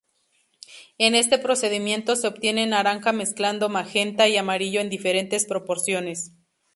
En este procedimiento se obtiene naranja mezclando magenta y amarillo en diferentes proporciones.